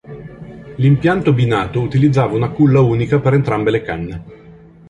L'impianto binato utilizzava una culla unica per entrambe le canne.